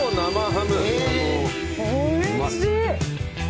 おいしい！